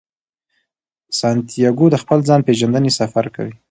سانتیاګو د خپل ځان پیژندنې سفر کوي.